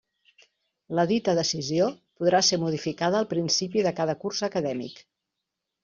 La dita decisió podrà ser modificada al principi de cada curs acadèmic.